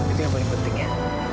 itu yang paling penting ya